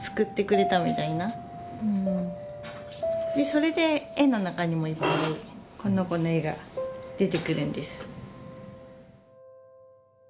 それで絵の中にもいっぱいこの子の絵が出てくるんです。